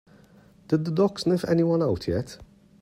Did the dog sniff anyone out yet?